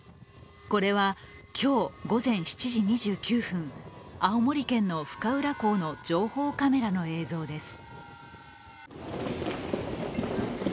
これは今日午前７時２９分、青森県の深浦港の情報カメラの映像です。